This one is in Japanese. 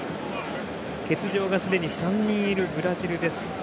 欠場がすでに３人いるブラジルです。